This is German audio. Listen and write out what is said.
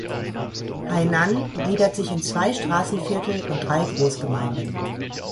Hainan gliedert sich in zwei Straßenviertel und drei Großgemeinden.